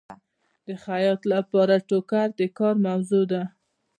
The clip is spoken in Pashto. د خیاط لپاره ټوکر د کار موضوع ده.